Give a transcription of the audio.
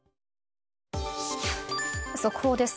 速報です。